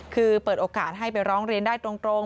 คือเปิดโอกาสให้ไปร้องเรียนได้ตรง